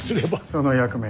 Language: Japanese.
その役目